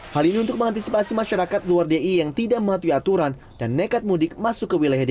hal ini untuk mengantisipasi masyarakat luar d i e yang tidak mematuhi aturan dan nekat mudik masuk ke wilayah d i e